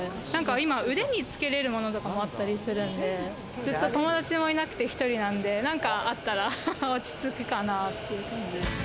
今、腕につけれるものとかもあったりするんで、ずっと友達もいなくて１人なんで、何かあったら落ち着くかなっていう感じです。